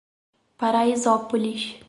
Paraisópolis